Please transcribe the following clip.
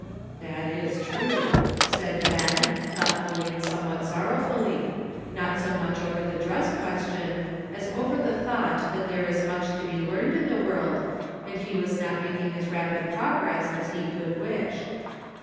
" "That is true,'' said Ben, thoughtfully and somewhat sorrowfully, not so much over the dress question as over the thought that there is much to be learned in the world, and he was not making as rapid progress as he could wish.